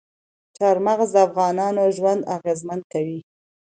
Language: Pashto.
چار مغز د افغانانو ژوند اغېزمن کوي.